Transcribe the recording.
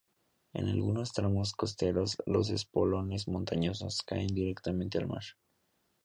En algunos tramos costeros, los espolones montañosos caen directamente al mar.